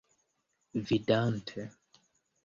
vidante